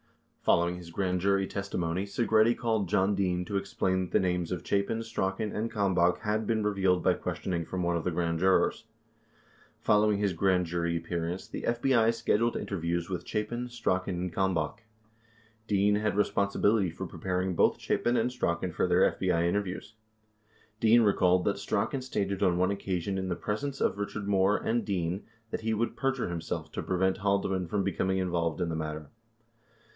51 Following his grand jury testimony Segretti called John Dean to explain that the names of Chapin, Strachan, and Kalmbach had been revealed by questioning from one of the grand jurors. 52 Fol lowing his grand jury appearance, the FBI scheduled interviews with Chapin, Strachan, and Kalmbach. Dean had responsibility for pre paring both Chapin and Strachan for their FBI interviews. Dean recalled that Strachan stated on one occasion in the presence of Richard Moore and Dean that he would perjure himself to prevent Haldeman from becoming involved in the matter.